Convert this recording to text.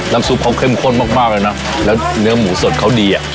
ซุปเขาเข้มข้นมากมากเลยนะแล้วเนื้อหมูสดเขาดีอ่ะ